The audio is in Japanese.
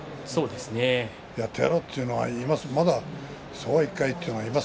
やってやろうっていうのはまだいます